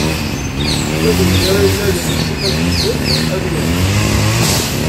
Ma d win ara yennalen lǧifat-nsen, ad inǧes.